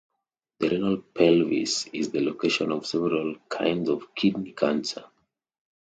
The renal pelvis is the location of several kinds of kidney cancer.